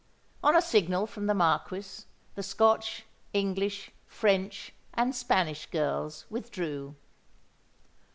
On a signal from the Marquis, the Scotch, English, French, and Spanish girls withdrew.